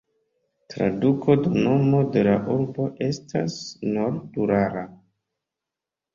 Traduko de nomo de la urbo estas "nord-Urala".